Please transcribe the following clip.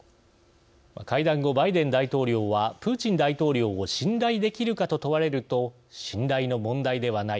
会談後バイデン大統領は「プーチン大統領を信頼できるか」と問われると「信頼の問題ではない。